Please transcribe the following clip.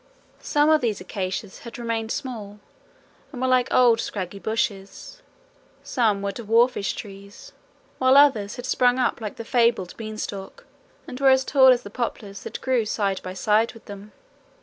Some of these acacias had remained small and were like old scraggy bushes, some were dwarfish trees, while others had sprung up like the fabled bean stalk and were as tall as the poplars that grew side by side with them.